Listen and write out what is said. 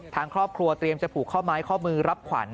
ทางครอบครัวเตรียมจะผูกข้อไม้ข้อมือรับขวัญ